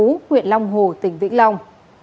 nguyễn văn đầy chú huyện long hồ tỉnh vĩnh long